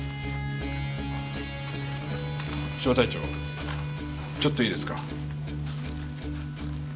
小隊長ちょっといいですか？